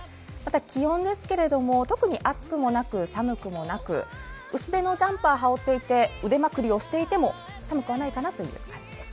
気温ですけども、特に暑くもなく寒くもなく、薄手のジャンパーを羽織っていて、腕まくりをしていても寒くはないかなという感じです。